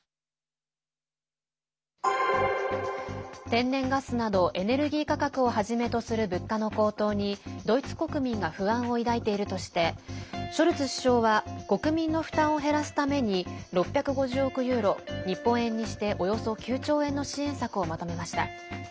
天然ガスなどエネルギー価格をはじめとする物価の高騰にドイツ国民が不安を抱いているとしてショルツ首相は国民の負担を減らすために６５０億ユーロ、日本円にしておよそ９兆円の支援策をまとめました。